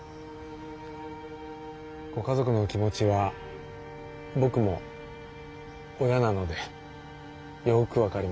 ご家族の気持ちは僕も親なのでよく分かります。